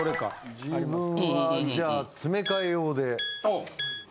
自分はじゃあ「詰め替え用」で。